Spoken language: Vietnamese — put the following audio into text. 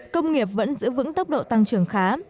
công nghiệp vẫn giữ vững tốc độ tăng trưởng khá